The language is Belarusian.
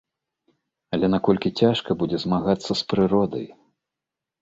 Але наколькі цяжка будзе змагацца з прыродай?